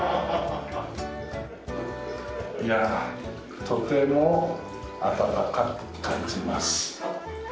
いやあとても温かく感じます。